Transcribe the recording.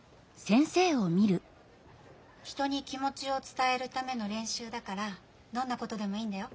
人に気もちをつたえるためのれんしゅうだからどんなことでもいいんだよ。